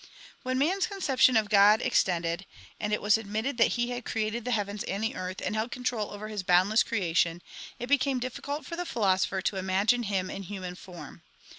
1 When man s conception of God extended, and it was admitted that He had created the heavens and the earth, and held control over His boundless creation, it became difficult for the philosopher to imagine Him in human form.